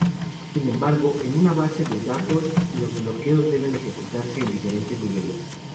Sin embargo, en una base de datos los bloqueos deben ejecutarse en diferentes niveles.